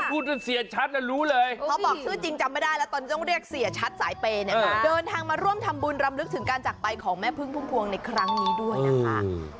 เขาบอกชื่อจริงจำไม่ได้แล้วตอนนี้ต้องเรียกเสียชัดสายเปย์เนี่ยค่ะเดินทางมาร่วมทำบุญรำลึกถึงการจักรไปของแม่พึ่งพุ่งพวงในครั้งนี้ด้วยนะคะ